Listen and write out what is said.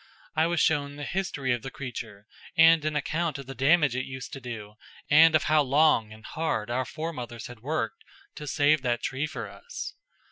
I was shown the history of the creature, and an account of the damage it used to do and of how long and hard our foremothers had worked to save that tree for us.